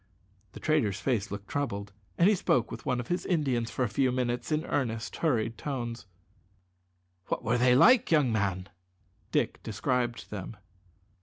The trader's face looked troubled, and he spoke with one of his Indians for a few minutes in earnest, hurried tones. "What were they like, young man?" Dick described them.